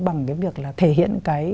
bằng cái việc là thể hiện cái